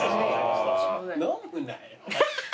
飲むなよ。